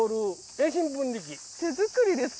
手づくりですか？